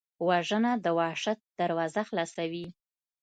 وژنه د وحشت دروازه خلاصوي